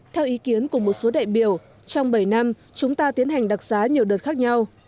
theo ý kiến của một số đại biểu trong bảy năm chúng ta tiến hành đặc giá nhiều đợt khác nhau